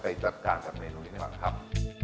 ไปติดตามกับเมนูดีกว่านะครับ